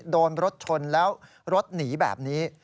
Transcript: โดนรถชนแล้วรถหนีแบบนี้